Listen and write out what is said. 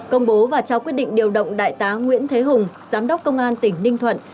công bố và trao quyết định điều động đại tá nguyễn thế hùng giám đốc công an tỉnh ninh thuận